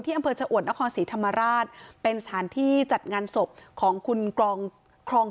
ที่อำเภอเจ้าอวดนครศรีธรรมาราชเป็นสถานที่จัดงานศพของคุณกรอง